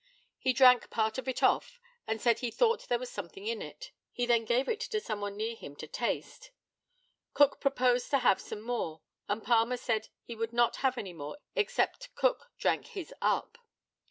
He drank part of it off, and said he thought there was something in it. He then gave it to some one near him to taste. Cook proposed to have some more, and Palmer said he would not have any more except Cook drank his up.